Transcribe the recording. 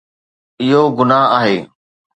اهو گناهه آهي